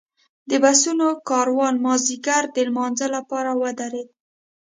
د بسونو کاروان مازیګر د لمانځه لپاره ودرېد.